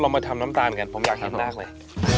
มาทำน้ำตาลกันผมอยากเห็นมากเลย